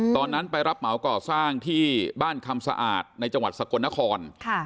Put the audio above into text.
ตอนนั้นไปรับเหมาก่อสร้างที่บ้านคำสะอาดในจังหวัดสกลนคร